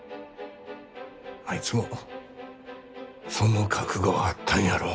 あいつもその覚悟はあったんやろ。